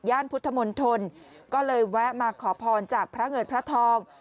พุทธมนตรก็เลยแวะมาขอพรจากพระเงินพระทอง